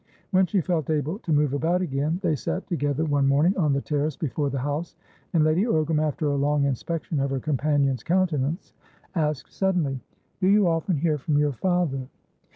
When she felt able to move about again, they sat together one morning on the terrace before the house, and Lady Ogram, after a long inspection of her companion's countenance, asked suddenly: "Do you often hear from your father?"